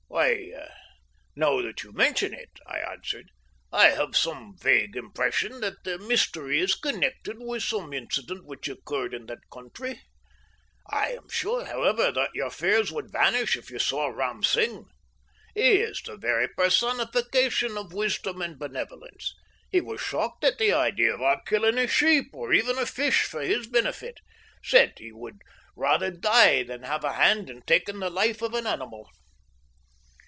"Why, now that you mention it," I answered, "I have some vague impression that the mystery is connected with some incident which occurred in that country. I am sure, however, that your fears would vanish if you saw Ram Singh. He is the very personification of wisdom and benevolence. He was shocked at the idea of our killing a sheep, or even a fish for his benefit said he would rather die than have a hand in taking the life of an animal."